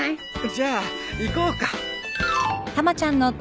じゃあ行こうか。